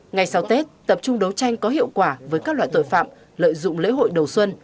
ngày sau tết tập trung đấu tranh có hiệu quả với các loại tội phạm lợi dụng lễ hội đầu xuân